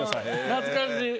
懐かしい！